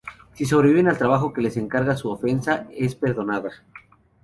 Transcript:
Si sobreviven al trabajo que les encarga su ofensa es perdonada.